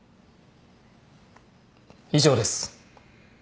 以上です。